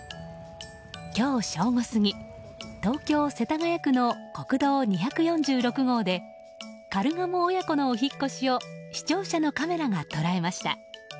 今日正午過ぎ、東京・世田谷区の国道２４６号でカルガモ親子のお引越しを視聴者のカメラが捉えました。